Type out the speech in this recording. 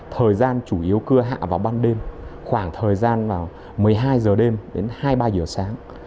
thời gian chủ yếu cưa hạ vào ban đêm khoảng thời gian một mươi hai h đêm đến hai mươi ba h sáng